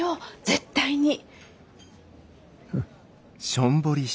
絶対に。